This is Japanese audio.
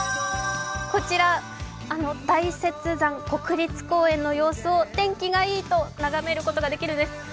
こちら大雪山国立公園の様子を天気がいいと眺めることができるんです。